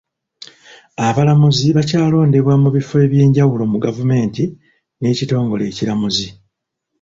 Abalamuzi bakyalondebwa mu bifo eby'enjawulo mu gavumenti n'ekitongole ekiramuzi.